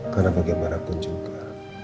karena bagaimanapun juga